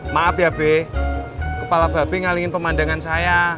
maap ya be kepala bebe ngalingin pemandangan saya